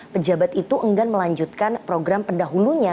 pejabat itu enggan melanjutkan program pendahulunya